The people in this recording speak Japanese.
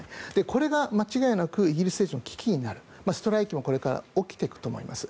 これが間違いなくイギリス政治の危機になるストライキもこれから起きてくると思います。